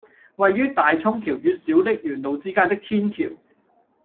位於大涌橋與小瀝源路之間的天橋